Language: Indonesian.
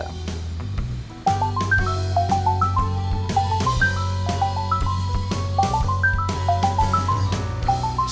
gak peduli lagi sama dia